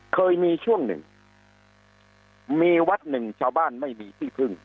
เคยมีช่วงหนึ่งมีวัดหนึ่งชาวบ้านไม่มีที่พึ่ง